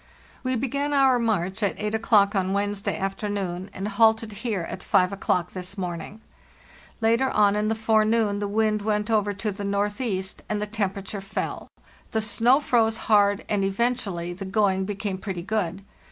"We began our march at 8 o'clock on Wednesday afternoon, and halted here at 5 o'clock this morning.* Later on in the forenoon the wind went over to the northeast and the temperature fell. The snow froze hard, and eventually the going became pretty good.